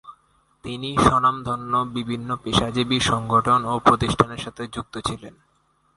তিনি স্বনামধন্য বিভিন্ন পেশাজীবী সংগঠন ও প্রতিষ্ঠানের সাথে যুক্ত ছিলেন।